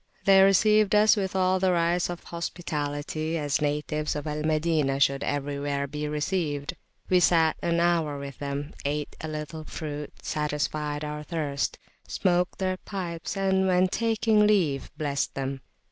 They received us with all the rights of hospitality, as natives of Al Madinah should everywhere be received; we sat an hour with them, ate a little fruit, satisfied our thirst, smoked their pipes, and when taking leave blessed them.